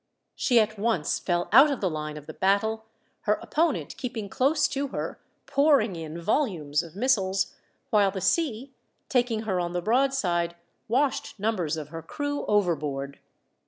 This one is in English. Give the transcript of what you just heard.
She at once fell out of the line of the battle, her opponent keeping close to her, pouring in volumes of missiles, while the sea, taking her on the broad side, washed numbers of her crew overboard.